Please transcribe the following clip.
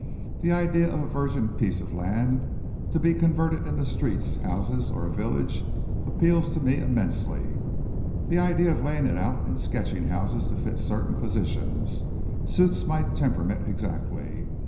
"The idea of a virgin piece of land to be converted into streets and houses or a village appeals to me immensely. The idea of laying it out and sketching houses to fit certain positions, suits my temperament exactly.